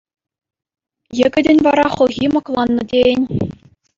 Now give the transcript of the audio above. Йӗкӗтӗн вара хӑлхи мӑкланнӑ тейӗн.